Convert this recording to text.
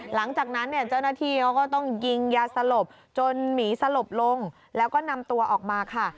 หลังจากนั้นเนี่ยเจ้าหน้าที่เขาก็ต้องยิงยาสลบจนหมีสลบลงแล้วก็นำตัวออกมาค่ะ